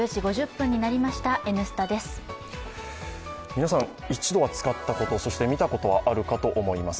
皆さん、一度は使ったこと、そして見たことはあるかと思います